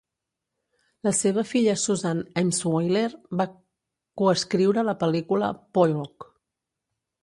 La seva filla Susan Emshwiller va coescriure la pel·lícula "Pollock".